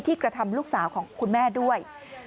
กระทำลูกสาวของคุณแม่ด้วย